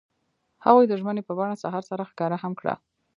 هغوی د ژمنې په بڼه سهار سره ښکاره هم کړه.